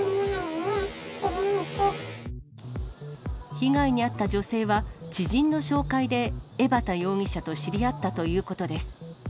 被害に遭った女性は、知人の紹介で江畑容疑者と知り合ったということです。